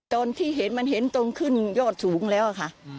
ตอนที่เห็นมันเห็นตรงขึ้นยอดสูงแล้วค่ะ